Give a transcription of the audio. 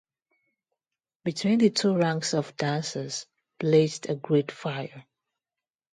Between the two ranks of dancers blazed a great fire.